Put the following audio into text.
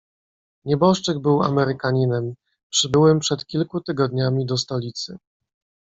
"Nieboszczyk był Amerykaninem, przybyłym przed kilku tygodniami do stolicy."